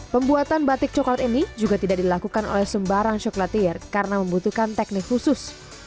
pembuatan batik coklat ini juga tidak dilakukan oleh sembarang coklatir karena membutuhkan teknik khusus